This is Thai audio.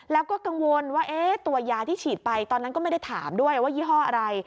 แล้วก็กังวลว่าตัวยาที่ฉีดไปตอนนั้นก็ไม่ได้ถามด้วยว่ายี่ห้ออะไร